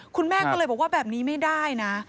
คุณแม่ก็เลยบอกว่าแบบนี้ไม่ได้นะ